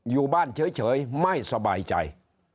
อยู่บ้านเฉยไม่สบายใจ